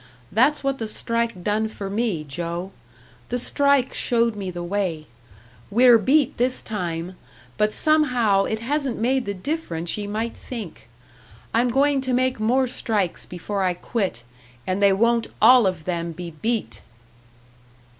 That's what the strike done for me, Joe! The strike showed me the way. We're beat this time, but somehow it hasn't made the difference ye might think. I'm goin' to make more strikes before I quit, and they won't all of them be beat!"